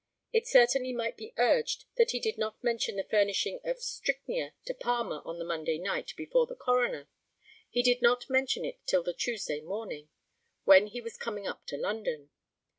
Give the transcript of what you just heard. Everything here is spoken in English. It certainly might be urged that he did not mention the furnishing of the strychnia to Palmer on the Monday night before the coroner; he did not mention it till the Tuesday morning, when he was coming up to London.